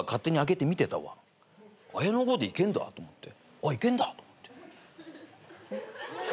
あっいけんだと思って。